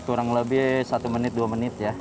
kurang lebih satu menit dua menit ya